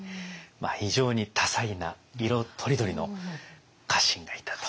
非常に多彩な色とりどりの家臣がいたと。